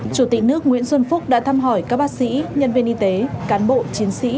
chủ tịch nước nguyễn xuân phúc đã thăm hỏi các bác sĩ nhân viên y tế cán bộ chiến sĩ